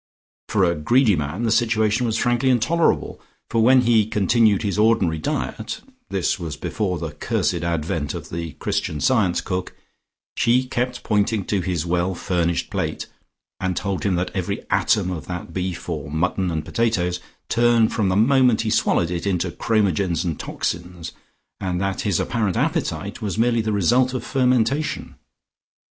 For a greedy man the situation was frankly intolerable, for when he continued his ordinary diet (this was before the cursed advent of the Christian Science cook) she kept pointing to his well furnished plate, and told him that every atom of that beef or mutton and potatoes, turned from the moment he swallowed it into chromogens and toxins, and that his apparent appetite was merely the result of fermentation.